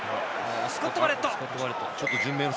スコット・バレット。